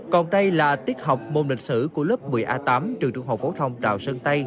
còn đây là tiết học môn lịch sử của lớp một mươi a tám trường trung học phổ thông đào sơn tây